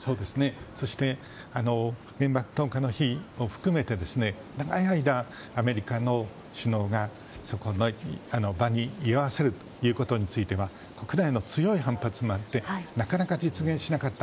そして、原爆投下の日を含めて長い間アメリカの首脳がその場に居合わせるということについては国内の強い反発もあってなかなか実現しなかった。